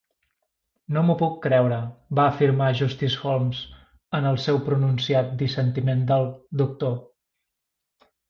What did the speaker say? "No m'ho puc creure", va afirmar Justice Holmes en el seu pronunciat dissentiment del "Dr.